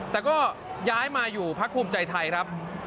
แต่ก็ย้ายมาอยู่พักภูมิใจไทยครับ